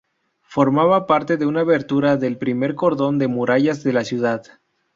Formaba parte de una abertura del primer cordón de murallas de la ciudad.